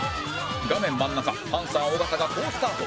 画面真ん中パンサー尾形が好スタート